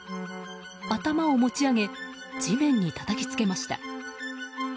頭を持ち上げ地面にたたきつけました。